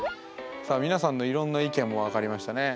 さあ皆さんのいろんな意見も分かりましたね。